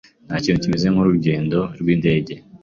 Ntakintu kimeze nkurugendo rwindege.